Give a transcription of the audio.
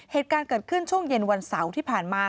เหตุการณ์เกิดขึ้นช่วงเย็นวันเสาร์ที่ผ่านมา